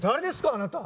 あなた。